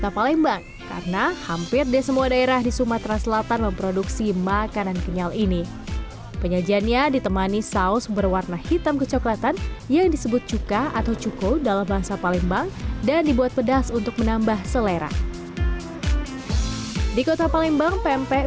pempe di kota palembang